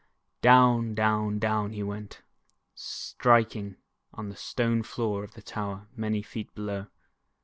Down, down, down he went, striking on the stone floor of the tower, many feet below.